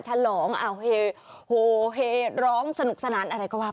ฉลองเอาเฮโฮเฮร้องสนุกสนานอะไรก็ว่า